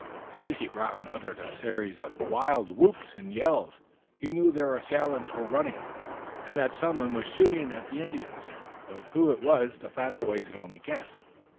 Stacy Brown uttered a series of wild whoops and yells. He knew their assailants were running and that some one was shooting at the Indians, but who it was the fat boy could only guess.